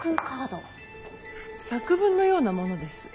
作文のようなものです。